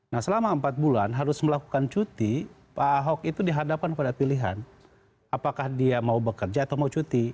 nah selama empat bulan harus melakukan cuti pak ahok itu dihadapkan pada pilihan apakah dia mau bekerja atau mau cuti